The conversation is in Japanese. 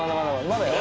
まだよ。